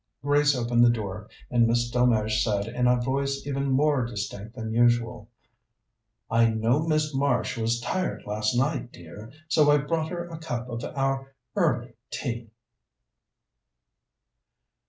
Grace opened the door, and Miss Delmege said, in a voice even more distinct than usual: "I know Miss Marsh was tired last night, dear, so I've brought her a cup of our early tea."